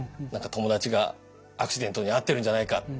「友達がアクシデントに遭ってるんじゃないか」